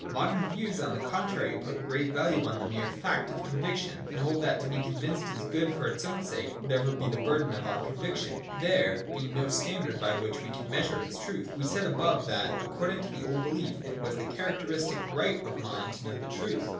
Modern views, on the contrary, put great value on the mere fact of conviction, and hold that to be convinced is good for its own sake, whatever be the burden of our conviction, — there being no standard by which we can measure its truth. We said above that, according to the old belief, it was the characteristic right of the mind to know the truth.